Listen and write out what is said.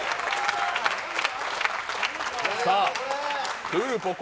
さあクールポコ